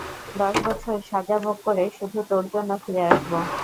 দশ বছর সাজা ভোগ করে, শুধু তোর জন্য ফিরে আসব।